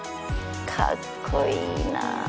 かっこいいな。